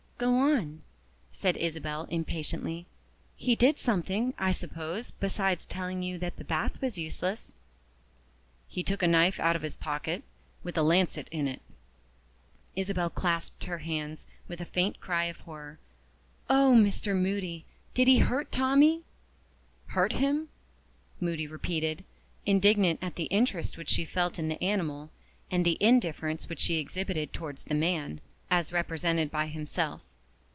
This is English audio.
"Go on!" said Isabel impatiently. "He did something, I suppose, besides telling you that the bath was useless?" "He took a knife out of his pocket, with a lancet in it." Isabel clasped her hands with a faint cry of horror. "Oh, Mr. Moody! did he hurt Tommie?" "Hurt him?" Moody repeated, indignant at the interest which she felt in the animal, and the indifference which she exhibited towards the man (as represented by himself).